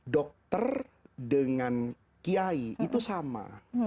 dokter dengan kiai itu sama